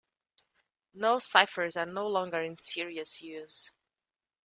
Null ciphers are no longer in serious use.